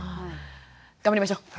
頑張りましょう。